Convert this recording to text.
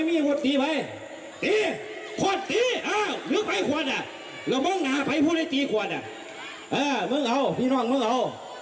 เหมาะภาคแล้วหมองงาไฟภูติตีขวดอ่ะอ่าหมองเอาพี่นอกมองเอา